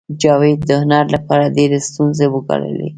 جاوید د هنر لپاره ډېرې ستونزې وګاللې